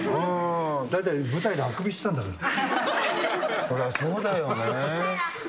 大体、舞台であくびしてたんそりゃそうだよね。